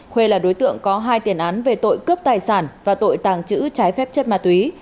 hê là đối tượng có hai tiền án về tội cướp tài sản và tội tàng trữ trái phép chất ma túy